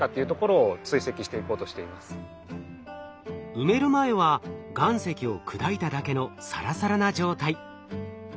埋める前は岩石を砕いただけのサラサラな状態。